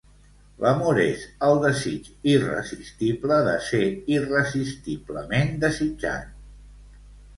L'amor és el desig irresistible de ser irresistiblement desitjat.